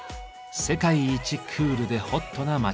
世界一クールでホットな街。